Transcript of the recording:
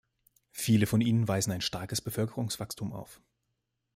Viele von ihnen weisen ein starkes Bevölkerungswachstum auf.